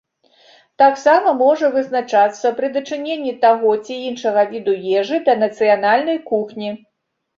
Таксама можа вызначацца пры дачыненні таго ці іншага віду ежы да нацыянальнай кухні.